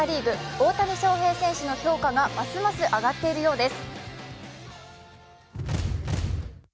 大谷翔平選手の評価がますます上がっているようです。